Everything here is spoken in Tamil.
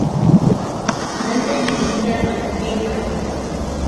அரசன் நினைத்த அன்றே அழிவு.